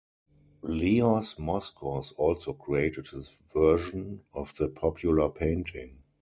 Leos Moskos also created his version of the popular painting.